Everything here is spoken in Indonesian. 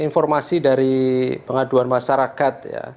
informasi dari pengaduan masyarakat